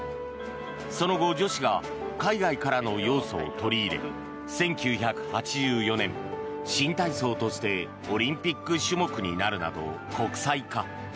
その後、女子が海外からの要素を取り入れ１９８４年、新体操としてオリンピック種目になるなど国際化。